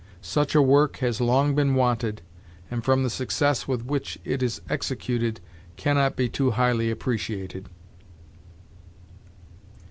Such a work has long been wanted, and from the success with which it is executed, can not be too highly appreciated.'